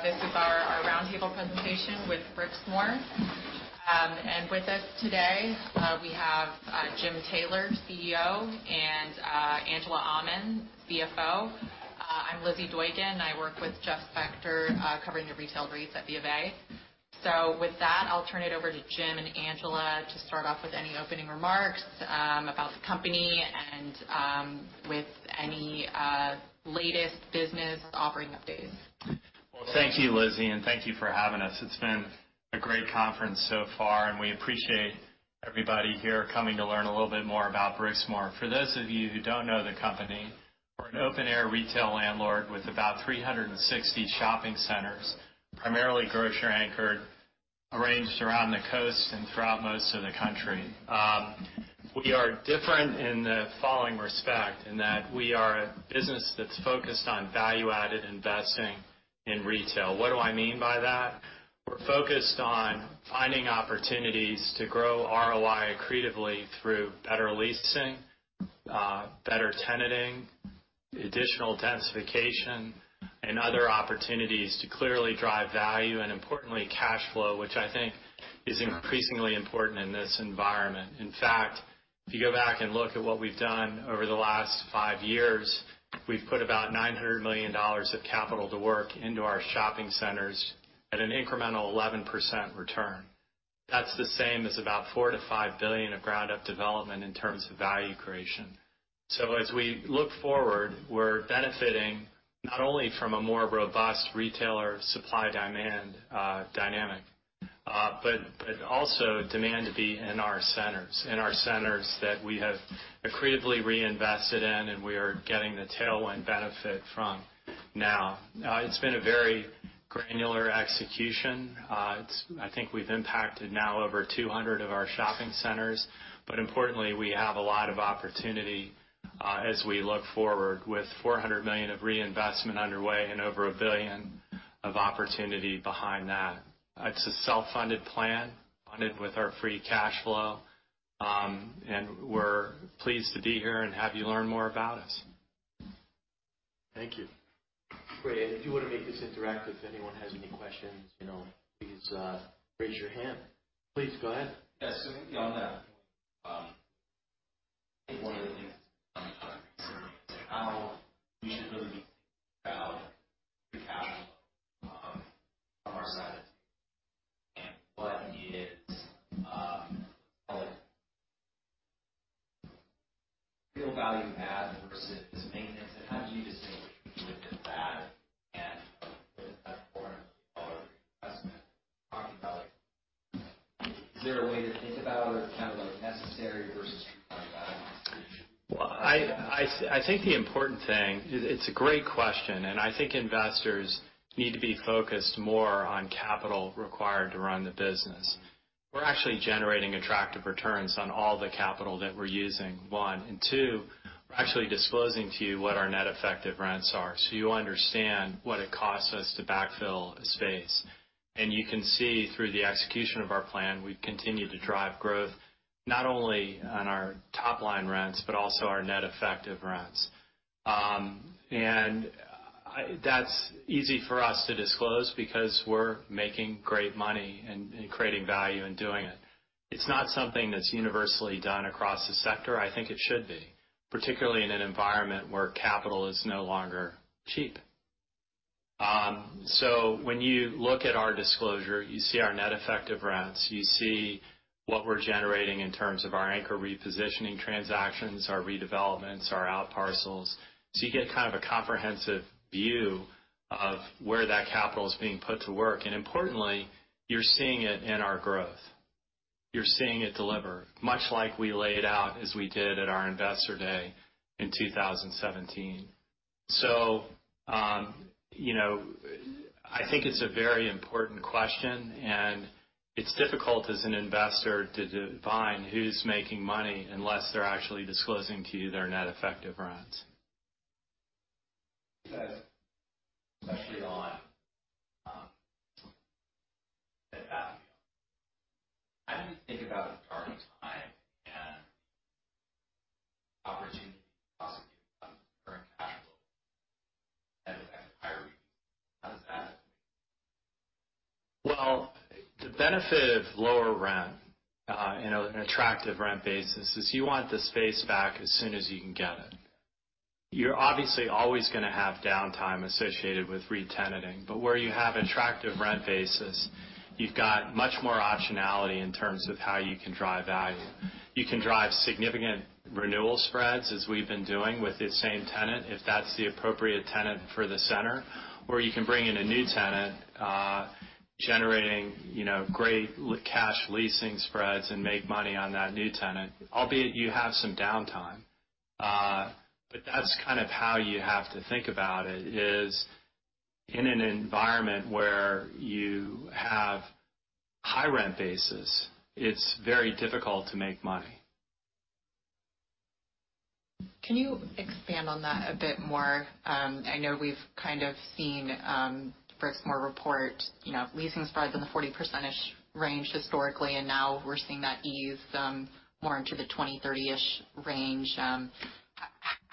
This is our roundtable presentation with Brixmor. And with us today, we have Jim Taylor, CEO, and Angela Aman, CFO. I'm Lizzie Doyon, and I work with Jeff Spector, covering the retail REITs at BofA. So with that, I'll turn it over to Jim and Angela to start off with any opening remarks about the company and with any latest business offering updates. Well, thank you, Lizzie, and thank you for having us. It's been a great conference so far, and we appreciate everybody here coming to learn a little bit more about Brixmor. For those of you who don't know the company, we're an open-air retail landlord with about 360 shopping centers, primarily grocer anchored, arranged around the coast and throughout most of the country. We are different in the following respect, in that we are a business that's focused on value-added investing in retail. What do I mean by that? We're focused on finding opportunities to grow ROI accretively through better leasing, better tenanting, additional densification, and other opportunities to clearly drive value, and importantly, cash flow, which I think is increasingly important in this environment. In fact, if you go back and look at what we've done over the last 5 years, we've put about $900 million of capital to work into our shopping centers at an incremental 11% return. That's the same as about $4 billion-$5 billion of ground-up development in terms of value creation. So as we look forward, we're benefiting not only from a more robust retailer supply demand dynamic, but also demand to be in our centers, in our centers that we have accretively reinvested in, and we are getting the tailwind benefit from now. It's been a very granular execution. I think we've impacted now over 200 of our shopping centers, but importantly, we have a lot of opportunity, as we look forward with $400 million of reinvestment underway and over $1 billion of opportunity behind that. It's a self-funded plan, funded with our free cash flow. We're pleased to be here and have you learn more about us. Thank you. Great. If you want to make this interactive, if anyone has any questions, you know, please, raise your hand. Please, go ahead. Yes, so maybe on that, I think one of the things, how we should really be thinking about the capital, from our side, and what is, call it, real value add versus maintenance, and how do you distinguish between that and, that $400 million investment? Talking about... Is there a way to think about it or kind of like necessary versus value add? Well, I think the important thing, it's a great question, and I think investors need to be focused more on capital required to run the business. We're actually generating attractive returns on all the capital that we're using, one, and two, we're actually disclosing to you what our net effective rents are, so you understand what it costs us to backfill a space. And you can see through the execution of our plan, we've continued to drive growth, not only on our top-line rents, but also our net effective rents. And that's easy for us to disclose because we're making great money and creating value in doing it. It's not something that's universally done across the sector. I think it should be, particularly in an environment where capital is no longer cheap. So when you look at our disclosure, you see our net effective rents, you see what we're generating in terms of our anchor repositioning transactions, our redevelopments, our outparcels. So you get kind of a comprehensive view of where that capital is being put to work, and importantly, you're seeing it in our growth. You're seeing it deliver, much like we laid out as we did at our Investor Day in 2017. So, you know, I think it's a very important question, and it's difficult as an investor to divine who's making money unless they're actually disclosing to you their net effective rents. Especially on, how do you think about downtime and opportunity cost, current capital, and higher rates? How does that...? Well, the benefit of lower rent in an attractive rent basis is you want the space back as soon as you can get it. You're obviously always gonna have downtime associated with retenanting, but where you have attractive rent basis, you've got much more optionality in terms of how you can drive value. You can drive significant renewal spreads, as we've been doing with the same tenant, if that's the appropriate tenant for the center, or you can bring in a new tenant generating, you know, great cash leasing spreads and make money on that new tenant, albeit you have some downtime. But that's kind of how you have to think about it, is in an environment where you have high rent bases, it's very difficult to make money. Can you expand on that a bit more? I know we've kind of seen Brixmor report, you know, leasing spreads in the 40% range historically, and now we're seeing that ease more into the 20, 30-ish range.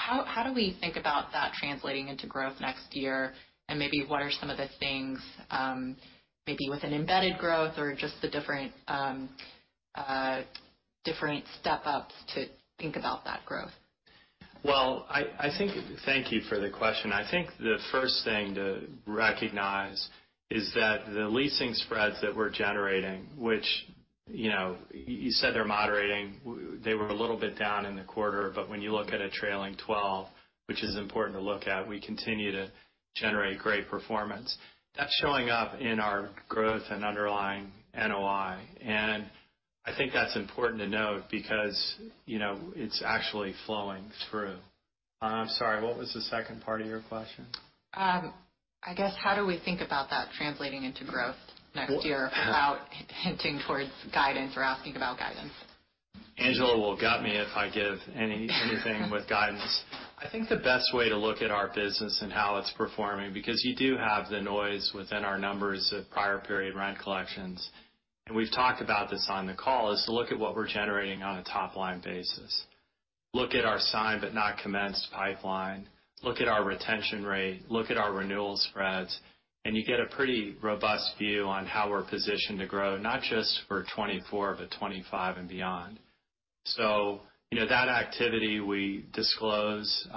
How, how do we think about that translating into growth next year? And maybe what are some of the things, maybe with an embedded growth or just the different, different step ups to think about that growth? Well, I think, thank you for the question. I think the first thing to recognize is that the leasing spreads that we're generating, which, you know, you said they're moderating, they were a little bit down in the quarter, but when you look at a trailing twelve, which is important to look at, we continue to generate great performance. That's showing up in our growth and underlying NOI. And I think that's important to note because, you know, it's actually flowing through. I'm sorry, what was the second part of your question? I guess, how do we think about that translating into growth next year without hinting towards guidance or asking about guidance? Angela will gut me if I give anything with guidance. I think the best way to look at our business and how it's performing, because you do have the noise within our numbers of prior period rent collections, and we've talked about this on the call, is to look at what we're generating on a top line basis. Look at our signed, but not commenced pipeline, look at our retention rate, look at our renewal spreads, and you get a pretty robust view on how we're positioned to grow, not just for 2024, but 2025 and beyond. So, you know, that activity we disclose.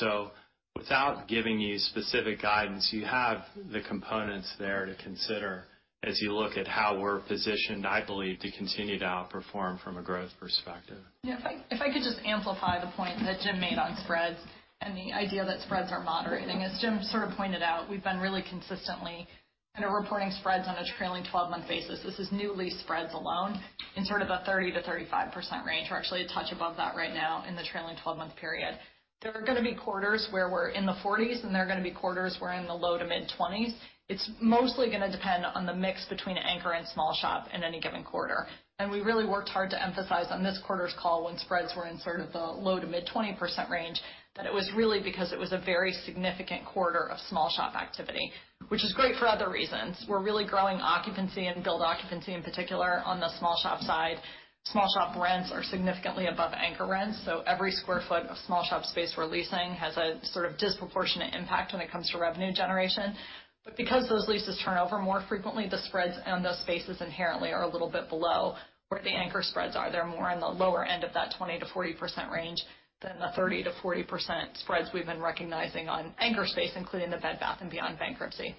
So without giving you specific guidance, you have the components there to consider as you look at how we're positioned, I believe, to continue to outperform from a growth perspective. Yeah, if I could just amplify the point that Jim made on spreads and the idea that spreads are moderating. As Jim sort of pointed out, we've been really consistently kind of reporting spreads on a trailing twelve-month basis. This is new lease spreads alone in sort of a 30%-35% range. We're actually a touch above that right now in the trailing twelve-month period. There are gonna be quarters where we're in the 40s, and there are gonna be quarters where we're in the low to mid-20s. It's mostly gonna depend on the mix between anchor and small shop in any given quarter. And we really worked hard to emphasize on this quarter's call, when spreads were in sort of the low- to mid-20% range, that it was really because it was a very significant quarter of small shop activity, which is great for other reasons. We're really growing occupancy and billed occupancy, in particular on the small shop side. Small shop rents are significantly above anchor rents, so every square foot of small shop space we're leasing has a sort of disproportionate impact when it comes to revenue generation. But because those leases turn over more frequently, the spreads on those spaces inherently are a little bit below where the anchor spreads are. They're more on the lower end of that 20%-40% range than the 30%-40% spreads we've been recognizing on anchor space, including the Bed Bath & Beyond bankruptcy.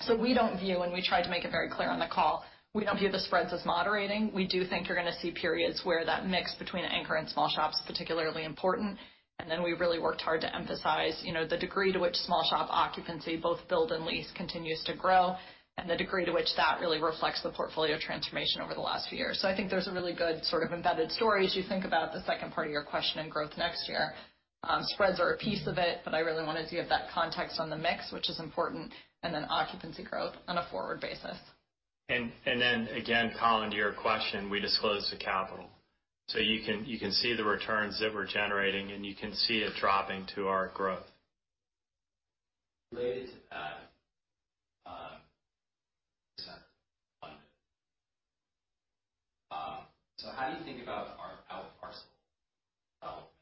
So we don't view, and we tried to make it very clear on the call, we don't view the spreads as moderating. We do think you're gonna see periods where that mix between anchor and small shop is particularly important. And then we really worked hard to emphasize, you know, the degree to which small shop occupancy, both billed and leased, continues to grow, and the degree to which that really reflects the portfolio transformation over the last few years. So I think there's a really good sort of embedded story as you think about the second part of your question in growth next year. Spreads are a piece of it, but I really wanted to give that context on the mix, which is important, and then occupancy growth on a forward basis. Then again, Colin, to your question, we disclosed the capital. So you can see the returns that we're generating, and you can see it dropping to our growth. Related to that, so how do you think about our out parcel development?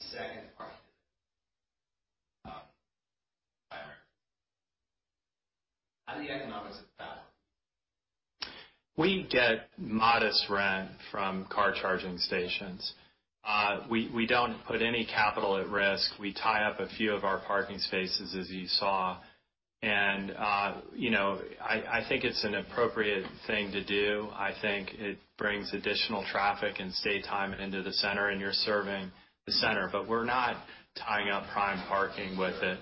Second question, how are the economics of that? We get modest rent from car charging stations. We don't put any capital at risk. We tie up a few of our parking spaces, as you saw, and, you know, I think it's an appropriate thing to do. I think it brings additional traffic and stay time into the center, and you're serving the center, but we're not tying up prime parking with it,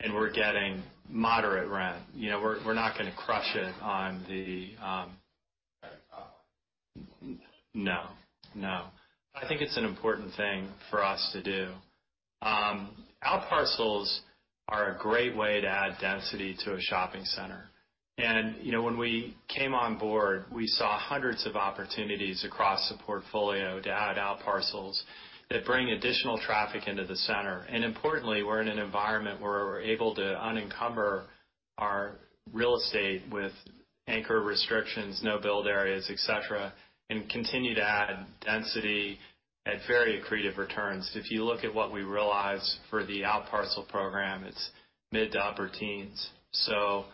and we're getting moderate rent. You know, we're not gonna crush it on the, No, no. I think it's an important thing for us to do. Outparcels are a great way to add density to a shopping center. And, you know, when we came on board, we saw hundreds of opportunities across the portfolio to add outparcels that bring additional traffic into the center. And importantly, we're in an environment where we're able to unencumber our real estate with anchor restrictions, no build areas, et cetera, and continue to add density at very accretive returns. If you look at what we realized for the outparcel program, it's mid to upper teens. So,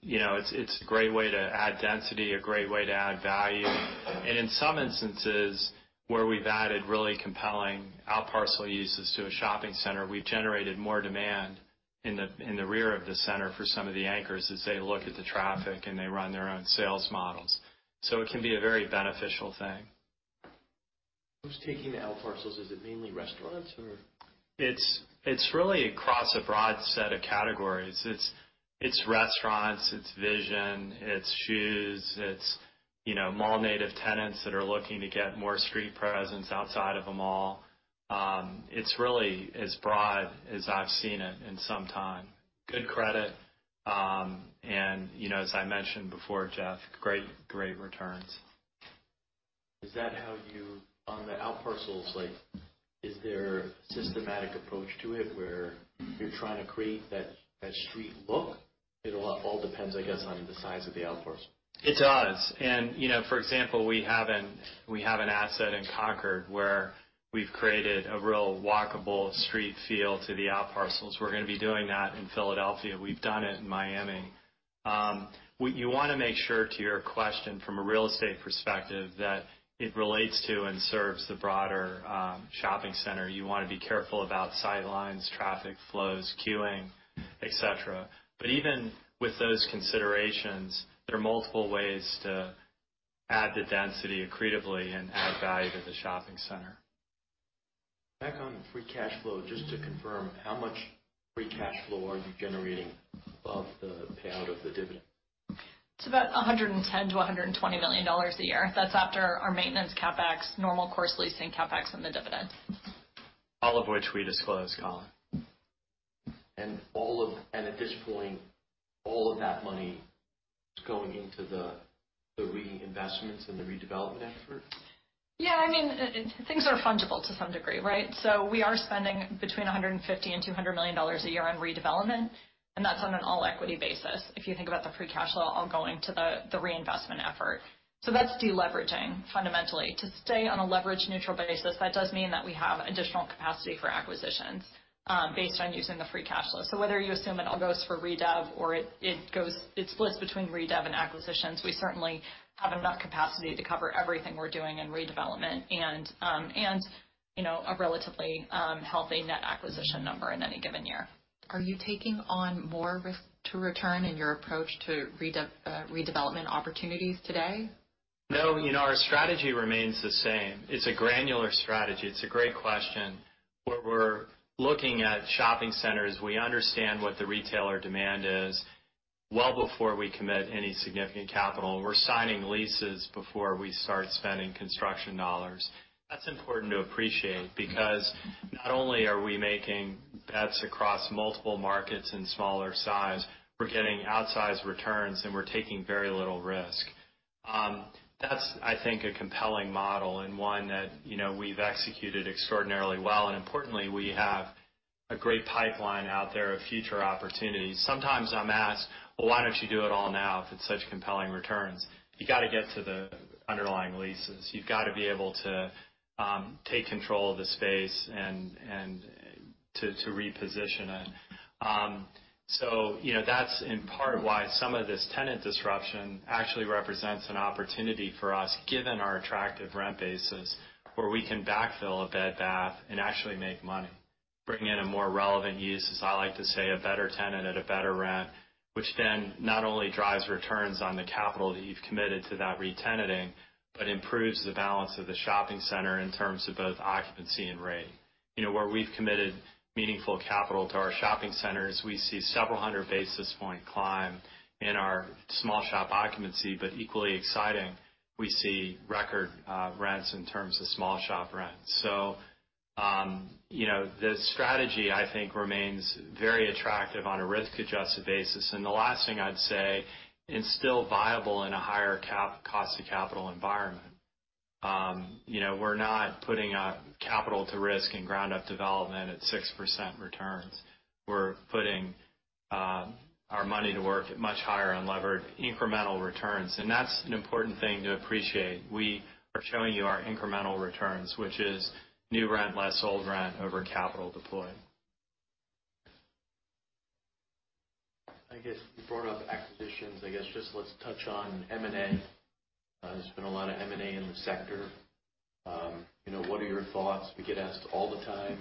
you know, it's, it's a great way to add density, a great way to add value. In some instances, where we've added really compelling outparcel uses to a shopping center, we've generated more demand in the rear of the center for some of the anchors as they look at the traffic and they run their own sales models. So it can be a very beneficial thing. Who's taking the outparcels? Is it mainly restaurants or? It's, it's really across a broad set of categories. It's, it's restaurants, it's vision, it's shoes, it's, you know, mall-native tenants that are looking to get more street presence outside of a mall. It's really as broad as I've seen it in some time. Good credit, and, you know, as I mentioned before, Jeff, great, great returns.... Is that how you, on the outparcels, like, is there a systematic approach to it, where you're trying to create that, that street look? It all, all depends, I guess, on the size of the outparcel. It does. And, you know, for example, we have an asset in Concord, where we've created a real walkable street feel to the outparcels. We're gonna be doing that in Philadelphia. We've done it in Miami. You wanna make sure, to your question, from a real estate perspective, that it relates to and serves the broader shopping center. You wanna be careful about sight lines, traffic flows, queuing, et cetera. But even with those considerations, there are multiple ways to add the density accretively and add value to the shopping center. Back on the free cash flow, just to confirm, how much free cash flow are you generating above the payout of the dividend? It's about $110 million-$120 million a year. That's after our maintenance CapEx, normal course leasing CapEx, and the dividends. All of which we disclose, Colin. And at this point, all of that money is going into the reinvestments and the redevelopment effort? Yeah, I mean, things are fungible to some degree, right? So we are spending between $150 million and $200 million a year on redevelopment, and that's on an all-equity basis. If you think about the free cash flow, all going to the reinvestment effort. So that's deleveraging, fundamentally. To stay on a leverage-neutral basis, that does mean that we have additional capacity for acquisitions, based on using the free cash flow. So whether you assume it all goes for redev or it goes- it splits between redev and acquisitions, we certainly have enough capacity to cover everything we're doing in redevelopment and, you know, a relatively healthy net acquisition number in any given year. Are you taking on more risk to return in your approach to redev, redevelopment opportunities today? No, you know, our strategy remains the same. It's a granular strategy. It's a great question. Where we're looking at shopping centers, we understand what the retailer demand is well before we commit any significant capital. We're signing leases before we start spending construction dollars. That's important to appreciate, because not only are we making bets across multiple markets in smaller size, we're getting outsized returns, and we're taking very little risk. That's, I think, a compelling model and one that, you know, we've executed extraordinarily well, and importantly, we have a great pipeline out there of future opportunities. Sometimes I'm asked: "Well, why don't you do it all now if it's such compelling returns?" You gotta get to the underlying leases. You've got to be able to take control of the space and to reposition it. So, you know, that's in part why some of this tenant disruption actually represents an opportunity for us, given our attractive rent basis, where we can backfill a Bed Bath & Beyond and actually make money. Bring in a more relevant use, as I like to say, a better tenant at a better rent, which then not only drives returns on the capital that you've committed to that retenanting, but improves the balance of the shopping center in terms of both occupancy and rate. You know, where we've committed meaningful capital to our shopping centers, we see several hundred basis point climb in our small shop occupancy, but equally exciting, we see record rents in terms of small shop rents. So, you know, the strategy, I think, remains very attractive on a risk-adjusted basis. And the last thing I'd say, it's still viable in a higher cost of capital environment. You know, we're not putting capital to risk in ground-up development at 6% returns. We're putting our money to work at much higher unlevered incremental returns, and that's an important thing to appreciate. We are showing you our incremental returns, which is new rent, less old rent over capital deployed. I guess you brought up acquisitions. I guess, just let's touch on M&A. There's been a lot of M&A in the sector. You know, what are your thoughts? We get asked all the time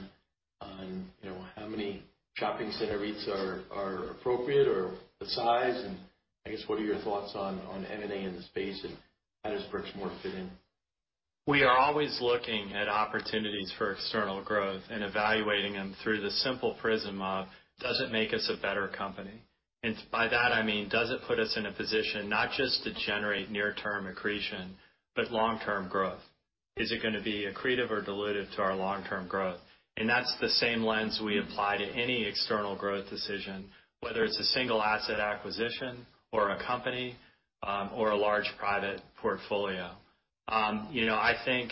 on, you know, how many shopping center REITs are appropriate or the size, and I guess, what are your thoughts on M&A in the space, and how does Brixmor fit in? We are always looking at opportunities for external growth and evaluating them through the simple prism of: Does it make us a better company? And by that, I mean, does it put us in a position not just to generate near-term accretion, but long-term growth? Is it gonna be accretive or dilutive to our long-term growth? And that's the same lens we apply to any external growth decision, whether it's a single asset acquisition or a company, or a large private portfolio. You know, I think,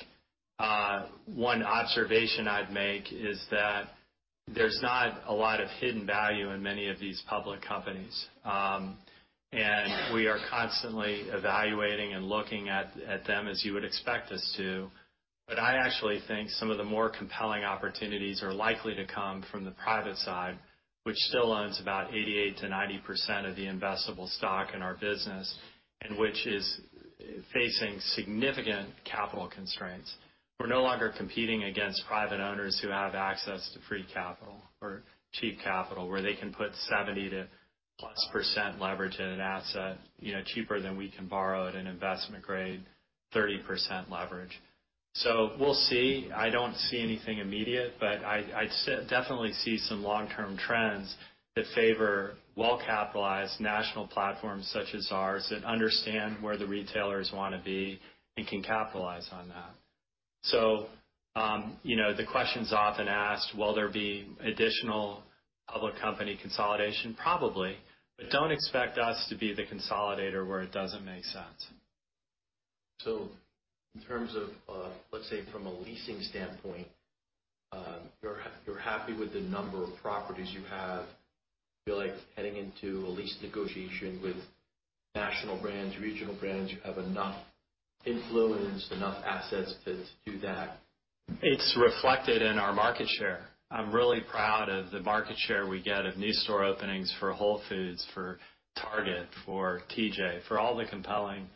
one observation I'd make is that there's not a lot of hidden value in many of these public companies. And we are constantly evaluating and looking at, at them, as you would expect us to. But I actually think some of the more compelling opportunities are likely to come from the private side, which still owns about 88%-90% of the investable stock in our business, and which is facing significant capital constraints. We're no longer competing against private owners who have access to free capital or cheap capital, where they can put 70%+ leverage in an asset, you know, cheaper than we can borrow at an investment grade, 30% leverage. So we'll see. I don't see anything immediate, but I definitely see some long-term trends that favor well-capitalized national platforms such as ours, that understand where the retailers wanna be and can capitalize on that. So, you know, the question's often asked, will there be additional public company consolidation? Probably. But don't expect us to be the consolidator where it doesn't make sense. So in terms of, let's say from a leasing standpoint, you're happy with the number of properties you have. You feel like heading into a lease negotiation with national brands, regional brands, you have enough influence, enough assets to do that. It's reflected in our market share. I'm really proud of the market share we get of new store openings for Whole Foods, for Target, for TJ, for all the compelling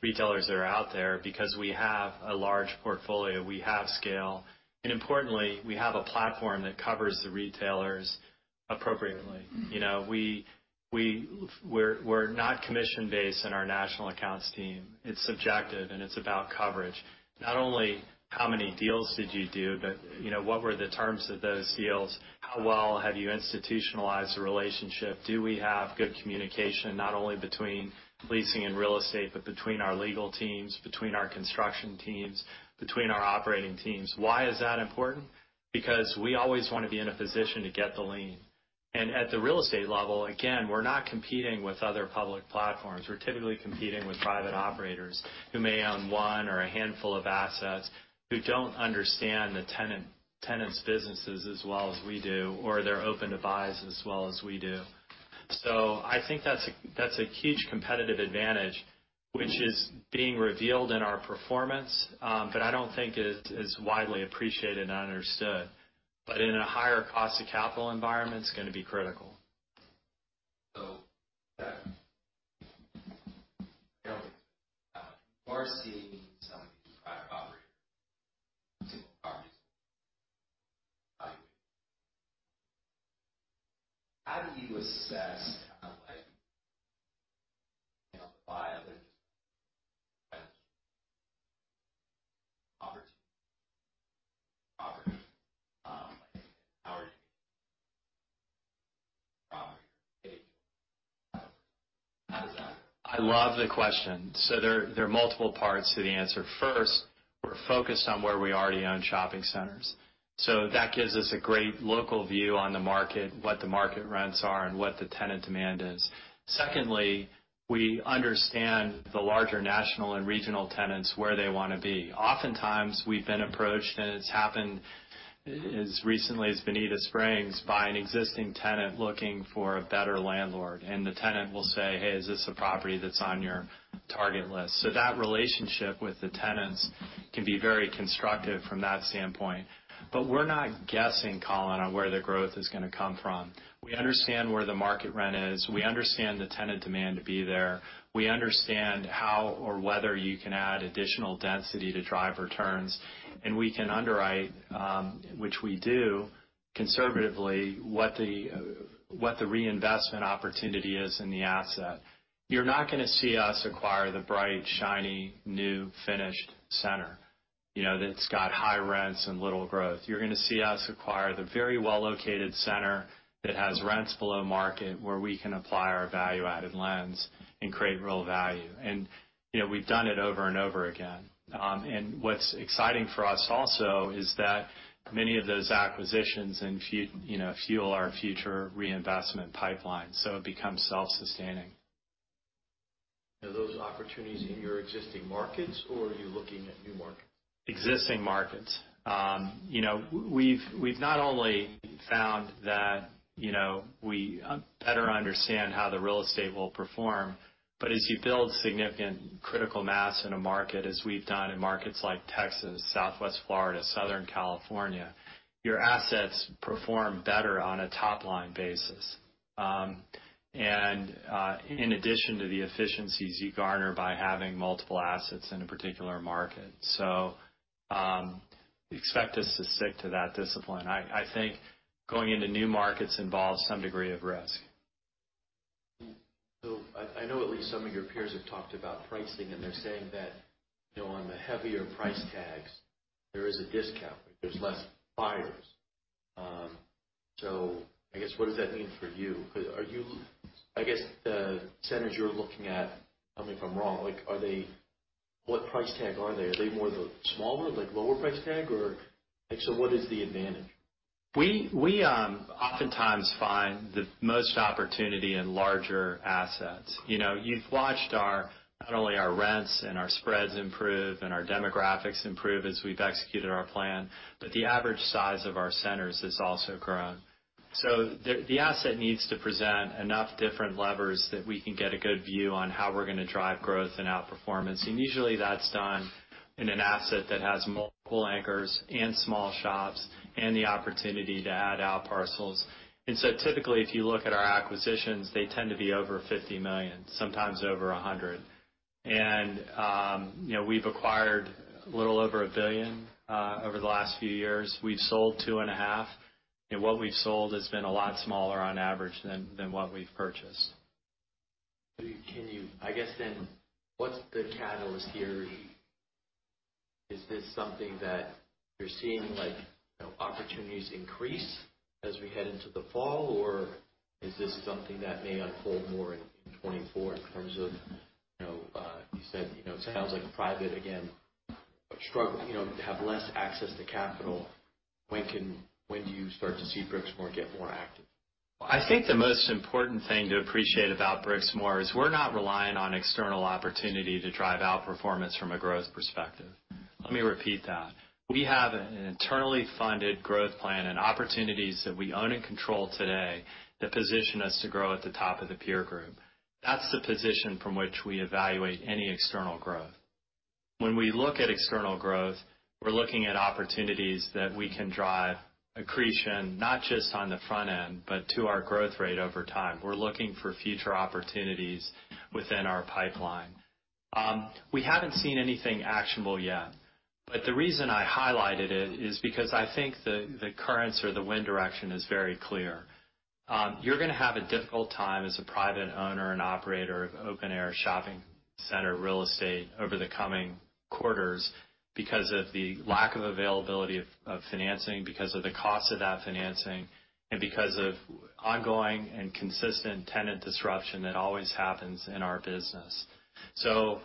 retailers that are out there, because we have a large portfolio, we have scale, and importantly, we have a platform that covers the retailers appropriately. You know, we're not commission-based in our national accounts team. It's subjective, and it's about coverage. Not only how many deals did you do, but, you know, what were the terms of those deals? How well have you institutionalized the relationship? Do we have good communication, not only between leasing and real estate, but between our legal teams, between our construction teams, between our operating teams? Why is that important? Because we always want to be in a position to get the lien. At the real estate level, again, we're not competing with other public platforms. We're typically competing with private operators who may own one or a handful of assets, who don't understand the tenant's businesses as well as we do, or they're open-to-buys as well as we do. So I think that's a huge competitive advantage, which is being revealed in our performance, but I don't think it is widely appreciated and understood. But in a higher cost of capital environment, it's gonna be critical. So, we're seeing some private operator, single properties. How do you assess, kind of like, you know, by other opportunities? How does that- I love the question. So there are multiple parts to the answer. First, we're focused on where we already own shopping centers, so that gives us a great local view on the market, what the market rents are and what the tenant demand is. Secondly, we understand the larger national and regional tenants, where they want to be. Oftentimes, we've been approached, and it's happened as recently as Bonita Springs, by an existing tenant looking for a better landlord, and the tenant will say, "Hey, is this a property that's on your target list?" So that relationship with the tenants can be very constructive from that standpoint. But we're not guessing, Colin, on where the growth is gonna come from. We understand where the market rent is. We understand the tenant demand to be there. We understand how or whether you can add additional density to drive returns, and we can underwrite, which we do, conservatively, what the reinvestment opportunity is in the asset. You're not gonna see us acquire the bright, shiny, new, finished center, you know, that's got high rents and little growth. You're gonna see us acquire the very well-located center that has rents below market, where we can apply our value-added lens and create real value. And, you know, we've done it over and over again. And what's exciting for us also is that many of those acquisitions and fuel our future reinvestment pipeline, so it becomes self-sustaining. Are those opportunities in your existing markets or are you looking at new markets? Existing markets. You know, we've not only found that, you know, we better understand how the real estate will perform, but as you build significant critical mass in a market, as we've done in markets like Texas, Southwest Florida, Southern California, your assets perform better on a top-line basis. And in addition to the efficiencies you garner by having multiple assets in a particular market. So, expect us to stick to that discipline. I think going into new markets involves some degree of risk. So I know at least some of your peers have talked about pricing, and they're saying that, you know, on the heavier price tags, there is a discount, there's less buyers. So I guess, what does that mean for you? Are you? I guess, the centers you're looking at, tell me if I'm wrong, like, are they... What price tag are they? Are they more the smaller, like, lower price tag or... So what is the advantage? We oftentimes find the most opportunity in larger assets. You know, you've watched our, not only our rents and our spreads improve and our demographics improve as we've executed our plan, but the average size of our centers has also grown. So the asset needs to present enough different levers that we can get a good view on how we're gonna drive growth and outperformance. And usually, that's done in an asset that has multiple anchors and small shops and the opportunity to add out parcels. And so typically, if you look at our acquisitions, they tend to be over $50 million, sometimes over $100 million. And, you know, we've acquired a little over $1 billion over the last few years. We've sold $2.5 billion, and what we've sold has been a lot smaller on average than what we've purchased. Can you—I guess then, what's the catalyst here? Is this something that you're seeing, like—you know, opportunities increase as we head into the fall, or is this something that may unfold more in 2024 in terms of, you know, you said, you know, it sounds like private, again, struggle, you know, have less access to capital. When can—when do you start to see Brixmor get more active? I think the most important thing to appreciate about Brixmor is we're not reliant on external opportunity to drive outperformance from a growth perspective. Let me repeat that. We have an internally funded growth plan and opportunities that we own and control today that position us to grow at the top of the peer group. That's the position from which we evaluate any external growth. When we look at external growth, we're looking at opportunities that we can drive accretion, not just on the front end, but to our growth rate over time. We're looking for future opportunities within our pipeline. We haven't seen anything actionable yet, but the reason I highlighted it is because I think the currents or the wind direction is very clear. You're gonna have a difficult time as a private owner and operator of open-air shopping center real estate over the coming quarters because of the lack of availability of financing, because of the cost of that financing, and because of ongoing and consistent tenant disruption that always happens in our business. So,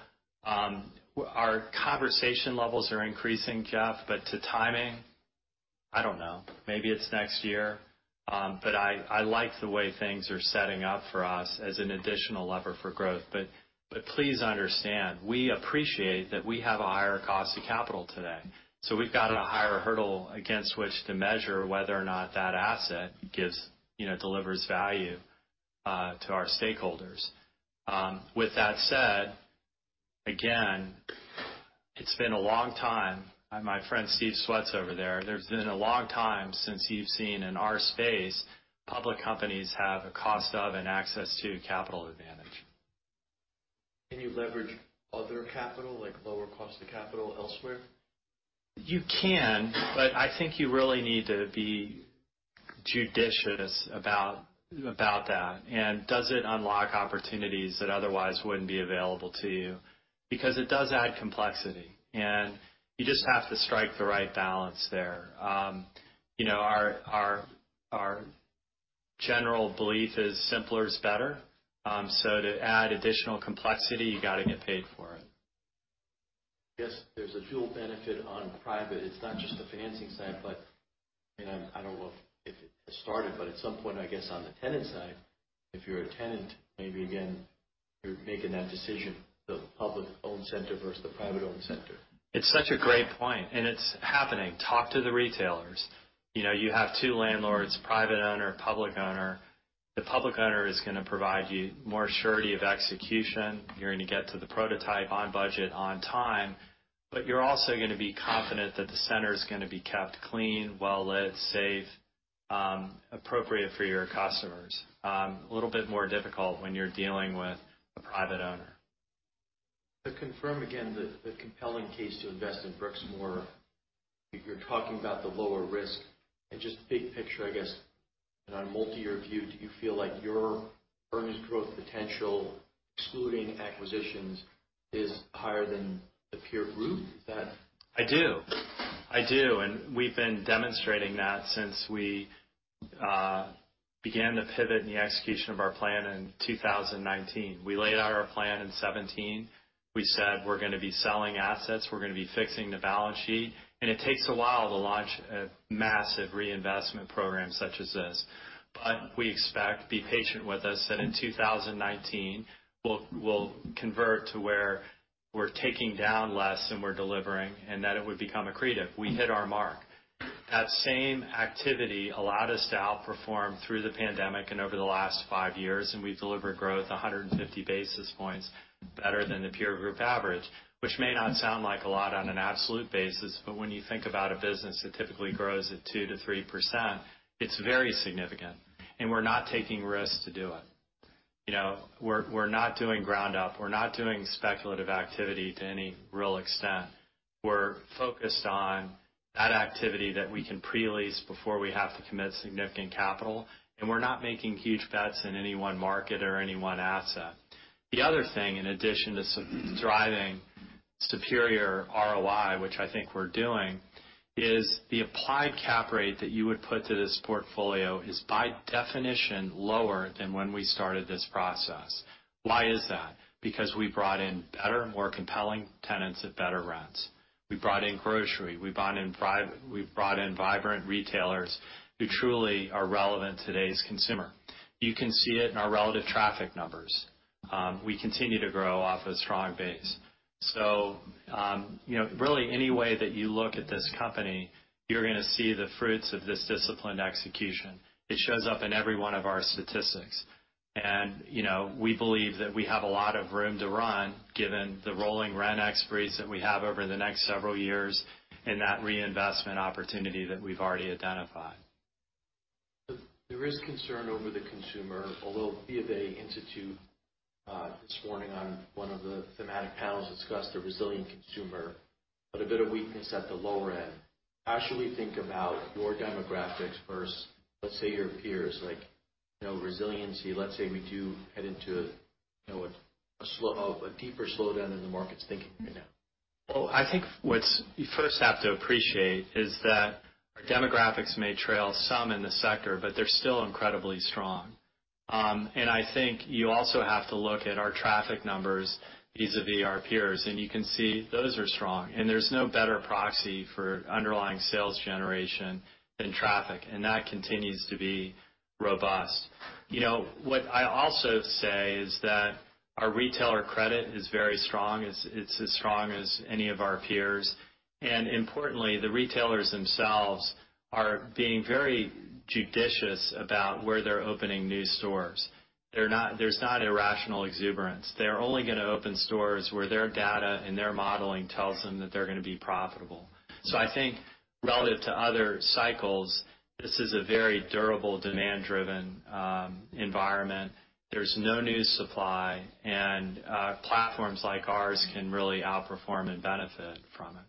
our conversation levels are increasing, Jeff, but to timing, I don't know. Maybe it's next year. But I like the way things are setting up for us as an additional lever for growth. But please understand, we appreciate that we have a higher cost of capital today, so we've got a higher hurdle against which to measure whether or not that asset gives, you know, delivers value to our stakeholders. With that said, again, it's been a long time... My friend, Steve Swetz, over there, it's been a long time since you've seen, in our space, public companies have a cost of and access to capital advantage. Can you leverage other capital, like lower cost of capital elsewhere? You can, but I think you really need to be judicious about that. Does it unlock opportunities that otherwise wouldn't be available to you? Because it does add complexity, and you just have to strike the right balance there. You know, our general belief is simpler is better. So to add additional complexity, you gotta get paid for it. Yes, there's a dual benefit on private. It's not just the financing side, but, you know, I don't know if it has started, but at some point, I guess, on the tenant side, if you're a tenant, maybe again, you're making that decision, the public-owned center versus the private-owned center. It's such a great point, and it's happening. Talk to the retailers. You know, you have two landlords, private owner, public owner. The public owner is gonna provide you more surety of execution. You're gonna get to the prototype on budget, on time, but you're also gonna be confident that the center is gonna be kept clean, well lit, safe, appropriate for your customers. A little bit more difficult when you're dealing with a private owner. To confirm again, the compelling case to invest in Brixmor, you're talking about the lower risk and just big picture, I guess, on a multi-year view, do you feel like your earnings growth potential, excluding acquisitions, is higher than the peer group, is that? I do. I do, and we've been demonstrating that since we began the pivot in the execution of our plan in 2019. We laid out our plan in 2017. We said, we're gonna be selling assets, we're gonna be fixing the balance sheet, and it takes a while to launch a massive reinvestment program such as this. But we expect, be patient with us, that in 2019, we'll convert to where we're taking down less and we're delivering, and that it would become accretive. We hit our mark. That same activity allowed us to outperform through the pandemic and over the last five years, and we've delivered growth 150 basis points better than the peer group average, which may not sound like a lot on an absolute basis, but when you think about a business that typically grows at 2%-3%, it's very significant, and we're not taking risks to do it. You know, we're not doing ground up. We're not doing speculative activity to any real extent. We're focused on that activity that we can pre-lease before we have to commit significant capital, and we're not making huge bets in any one market or any one asset. The other thing, in addition to driving superior ROI, which I think we're doing, is the applied cap rate that you would put to this portfolio is by definition, lower than when we started this process. Why is that? Because we brought in better, more compelling tenants at better rents. We brought in grocery, we've brought in vibrant retailers who truly are relevant to today's consumer. You can see it in our relative traffic numbers. We continue to grow off a strong base. So, you know, really, any way that you look at this company, you're gonna see the fruits of this disciplined execution. It shows up in every one of our statistics. You know, we believe that we have a lot of room to run, given the rolling rent expirations that we have over the next several years, and that reinvestment opportunity that we've already identified. There is concern over the consumer, although BofA Institute this morning on one of the thematic panels discussed the resilient consumer, but a bit of weakness at the lower end. How should we think about your demographics versus, let's say, your peers, like you know, resiliency, let's say we do head into, you know, a deeper slowdown than the market's thinking right now? Well, I think what you first have to appreciate is that our demographics may trail some in the sector, but they're still incredibly strong. And I think you also have to look at our traffic numbers vis-a-vis our peers, and you can see those are strong, and there's no better proxy for underlying sales generation than traffic, and that continues to be robust. You know, what I also say is that our retailer credit is very strong. It's, it's as strong as any of our peers. And importantly, the retailers themselves are being very judicious about where they're opening new stores. They're not. There's not irrational exuberance. They're only gonna open stores where their data and their modeling tells them that they're gonna be profitable. So I think relative to other cycles, this is a very durable, demand-driven environment. There's no new supply, and platforms like ours can really outperform and benefit from it.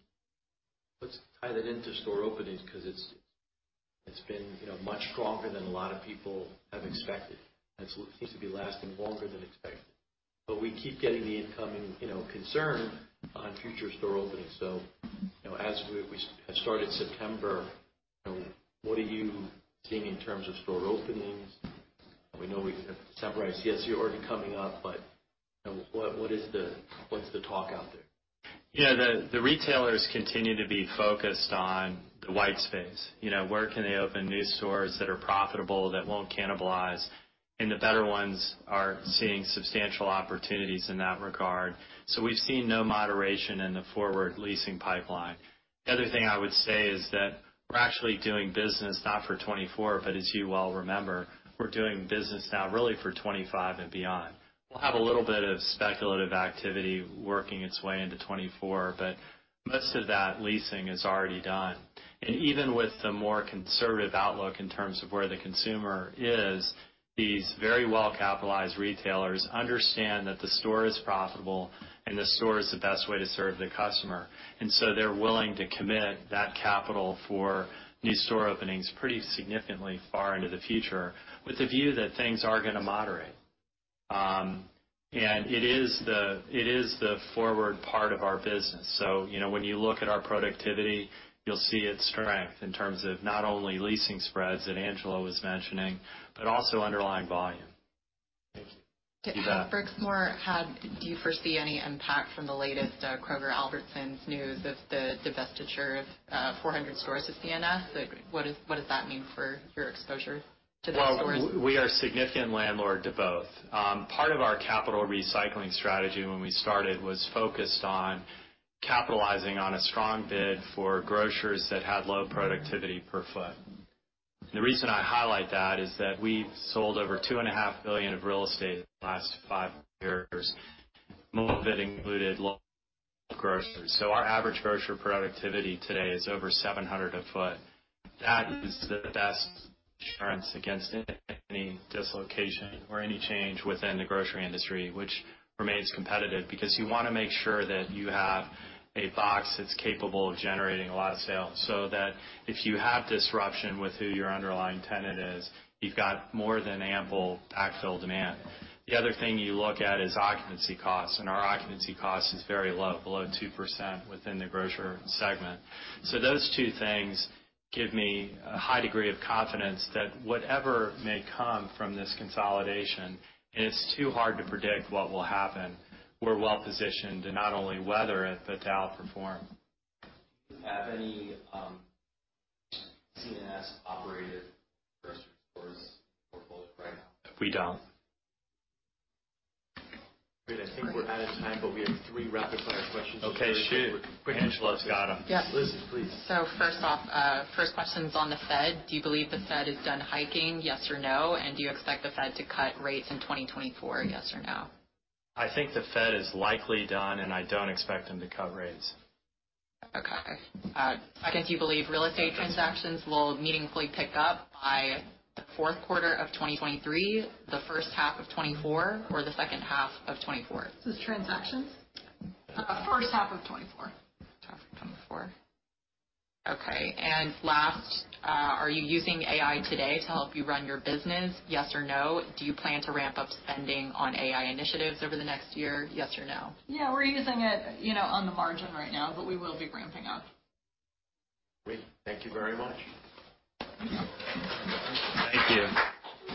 Let's tie that into store openings, 'cause it's been, you know, much stronger than a lot of people have expected, and so it seems to be lasting longer than expected. But we keep getting the incoming, you know, concern on future store openings. So, you know, as we have started September, you know, what are you seeing in terms of store openings? We know we have September ICSC already coming up, but, you know, what is the-- what's the talk out there? You know, the retailers continue to be focused on the white space. You know, where can they open new stores that are profitable, that won't cannibalize? And the better ones are seeing substantial opportunities in that regard. So we've seen no moderation in the forward leasing pipeline. The other thing I would say is that we're actually doing business, not for 2024, but as you well remember, we're doing business now really for 2025 and beyond. We'll have a little bit of speculative activity working its way into 2024, but most of that leasing is already done. And even with the more conservative outlook in terms of where the consumer is, these very well-capitalized retailers understand that the store is profitable and the store is the best way to serve the customer. And so they're willing to commit that capital for new store openings pretty significantly far into the future, with the view that things are gonna moderate. And it is the forward part of our business. So, you know, when you look at our productivity, you'll see its strength in terms of not only leasing spreads that Angela was mentioning, but also underlying volume. Do you foresee any impact from the latest Kroger-Albertsons news of the divestiture of 400 stores to C&S? Like, what does, what does that mean for your exposure to that store? Well, we are a significant landlord to both. Part of our capital recycling strategy, when we started, was focused on capitalizing on a strong bid for grocers that had low productivity per foot. The reason I highlight that is that we've sold over $2.5 billion of real estate in the last five years, most of it included low grocers. So our average grocer productivity today is over 700 a foot. That is the best insurance against any dislocation or any change within the grocery industry, which remains competitive, because you wanna make sure that you have a box that's capable of generating a lot of sales, so that if you have disruption with who your underlying tenant is, you've got more than ample backfill demand. The other thing you look at is occupancy costs, and our occupancy cost is very low, below 2% within the grocer segment. So those two things give me a high degree of confidence that whatever may come from this consolidation, and it's too hard to predict what will happen, we're well positioned to not only weather it, but to outperform. Do you have any C&S-operated grocery stores portfolio right now? We don't. Great. I think we're out of time, but we have three rapid-fire questions. Okay, sure. Angela's got them. Yep. Liz, please. So first off, first question's on the Fed. Do you believe the Fed is done hiking, yes or no? And do you expect the Fed to cut rates in 2024, yes or no? I think the Fed is likely done, and I don't expect them to cut rates. Okay. Second, do you believe real estate transactions will meaningfully pick up by the fourth quarter of 2023, the first half of 2024, or the second half of 2024? This is transactions? First half of 2024. Half of 2024. Okay. And last, are you using AI today to help you run your business, yes or no? Do you plan to ramp up spending on AI initiatives over the next year, yes or no? Yeah, we're using it, you know, on the margin right now, but we will be ramping up. Great. Thank you very much. Thank you. Thank you.